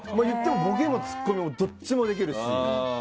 ボケもツッコミもどっちもできるし。